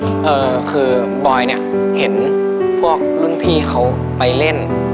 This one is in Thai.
คือบอยเนี่ยเห็นพวกรุ่นพี่เขาไปเล่น